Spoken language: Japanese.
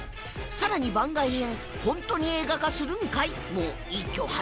さらに番外編『ほんとに映画化するん怪？』も一挙配信中